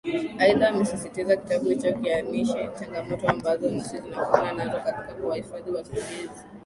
Aidha amesisitiza kitabu hicho kianishe changamoto ambazo nchi inakutana nazo katika kuwahifadhi wakimbizi